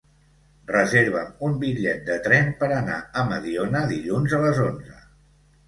Reserva'm un bitllet de tren per anar a Mediona dilluns a les onze.